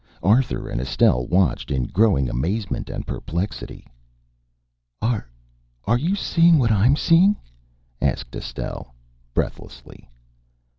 Arthur and Estelle watched in growing amazement and perplexity. "Are are you seeing what I am seeing?" asked Estelle breathlessly.